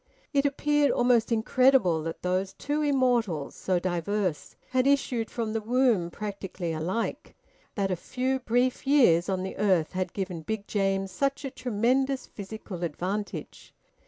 It appeared almost incredible that those two immortals, so diverse, had issued from the womb practically alike; that a few brief years on the earth had given Big James such a tremendous physical advantage.